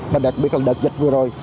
và đặc biệt là đợt dịch vừa rồi